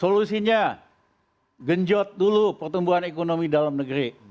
solusinya genjot dulu pertumbuhan ekonomi dalam negeri